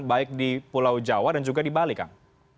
baik di pulau jawa dan juga di bali kang